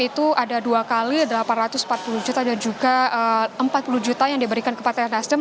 itu ada dua x delapan ratus empat puluh juta dan juga empat puluh juta yang diberikan ke partai nasdem